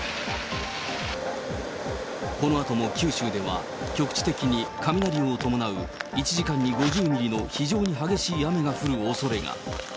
このあとも九州では、局地的に雷を伴う１時間に５０ミリの非常に激しい雨が降るおそれが。